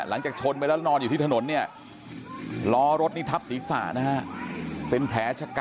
หลังจากชนไปแล้วนอนอยู่ที่ถนนเนี่ยล้อรถนี่ทับศีรษะนะฮะ